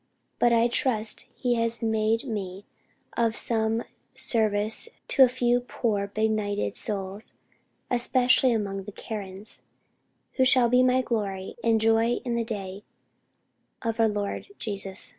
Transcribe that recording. but I trust He has made me of some service to a few poor benighted souls, especially among the Karens, who shall be my glory and joy in the day of the Lord Jesus."